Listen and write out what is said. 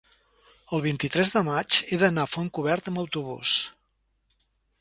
el vint-i-tres de maig he d'anar a Fontcoberta amb autobús.